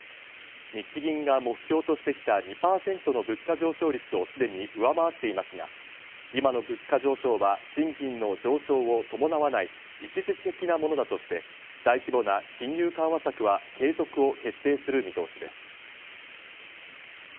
日銀の目標としてきた２％の物価上昇率をすでに上回っていますが、今の物価上昇は賃金の上昇を伴わない一時的なものだとして、大規模な金融緩和策は継続を決定する見通しです。